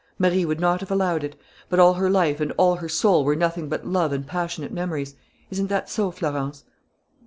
Marie would not have allowed it. But all her life and all her soul were nothing but love and passionate memories. Isn't that so, Florence?